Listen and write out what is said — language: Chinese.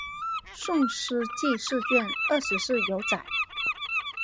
宋诗纪事卷二十四有载。